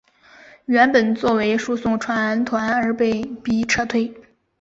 原本作为输送船团而被逼撤退。